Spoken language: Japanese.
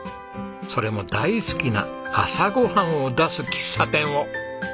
「それも大好きな朝ごはんを出す喫茶店を」。